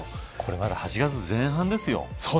まだ８月前半ですよ。